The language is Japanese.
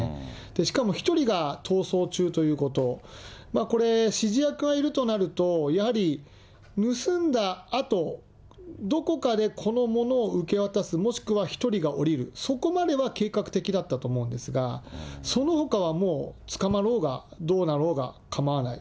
しかも１人が逃走中ということ、これ、指示役がいるとなると、やはり盗んだあと、どこかでこのものを受け渡す、もしくは１人が降りる、そこまでは計画的だったと思うんですが、そのほかはもう捕まろうがどうなろうが構わない。